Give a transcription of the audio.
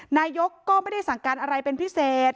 นายกก็ไม่ได้สั่งการอะไรเป็นพิเศษ